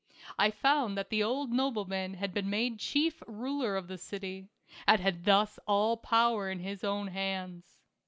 I found that the old nobleman had been made chief ruler of the city, and had thus all power in his own hands.